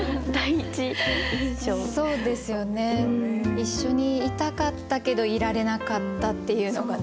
一緒にいたかったけどいられなかったっていうのがね。